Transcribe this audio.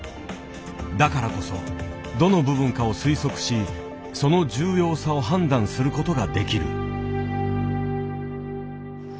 だからこそどの部分かを推測しその重要さを判断する事ができる。